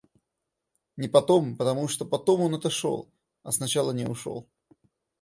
Не потом, потому что потом он отошёл, а сначала не ушёл.